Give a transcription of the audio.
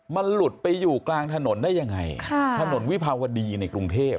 มันหลุดไปอยู่กลางถนนได้ยังไงค่ะถนนวิภาวดีในกรุงเทพ